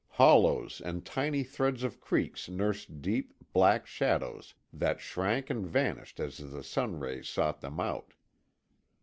Hollows and tiny threads of creeks nursed deep, black shadows that shrank and vanished as the sun rays sought them out.